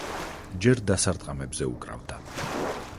ჯერ დასარტყამებზე უკრავდა.